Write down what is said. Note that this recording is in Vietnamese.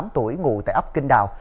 hai mươi tám tuổi ngủ tại ấp kinh đào